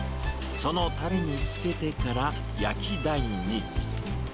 そのたれにつけてから、焼き台に。